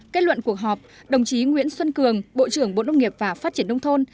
kết luận cuộc họp đồng chí nguyễn xuân cường bộ trưởng bộ nông nghiệp và phát triển nông thôn